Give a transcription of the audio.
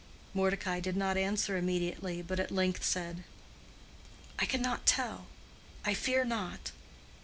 Mordecai did not answer immediately, but at length said, "I cannot tell. I fear not.